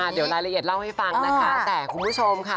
เดี๋ยวรายละเอียดเล่าให้ฟังนะคะแต่คุณผู้ชมค่ะ